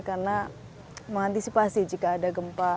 karena mengantisipasi jika ada gempa itu